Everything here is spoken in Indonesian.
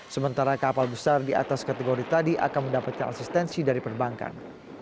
sementara kapal besar di atas kategori tadi akan mendapatkan asistensi dari perbankan